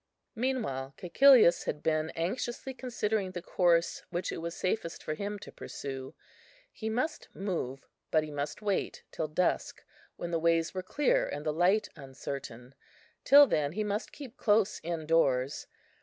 Meanwhile Cæcilius had been anxiously considering the course which it was safest for him to pursue. He must move, but he must wait till dusk, when the ways were clear, and the light uncertain. Till then he must keep close in doors.